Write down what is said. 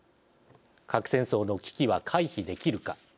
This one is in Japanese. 核戦争の危機は回避できるか。